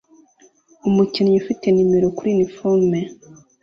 Umukinnyi ufite numero kuri uniforme